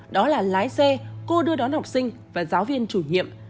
đó là lái xe cô đưa đón học sinh và giáo viên chủ nhiệm